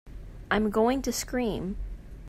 I'm going to scream!